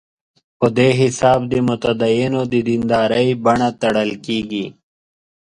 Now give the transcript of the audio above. په دې حساب د متدینو د دیندارۍ بڼه تړل کېږي.